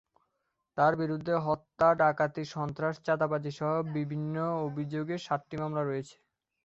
তাঁর বিরুদ্ধে হত্যা, ডাকাতি, সন্ত্রাস, চাঁদাবাজিসহ বিভিন্ন অভিযোগে সাতটি মামলা রয়েছে।